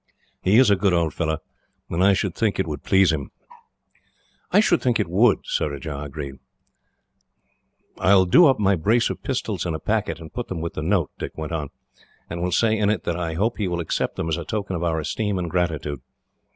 He is a good old fellow, and I should think it would please him." "I should think it would," Surajah agreed. "I will do up my brace of pistols in a packet, and put them with the note," Dick went on, "and will say, in it, that I hope he will accept them as a token of our esteem and gratitude.